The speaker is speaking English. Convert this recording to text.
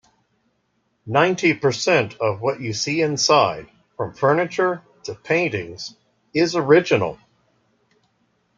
Ninety percent of what you see inside, from furniture to paintings, is original.